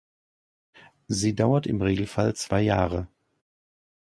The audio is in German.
Sie dauert im Regelfall zwei Jahre.